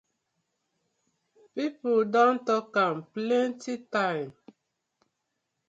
Pipu don tok am plenty time.